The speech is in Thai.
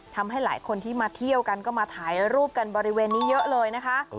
ทำให้หลายคนที่มาเที่ยวกันก็มาถ่ายรูปกันบริเวณนี้เยอะเลยนะคะ